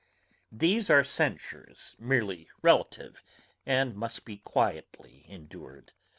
These are censures merely relative, and must be quietly endured.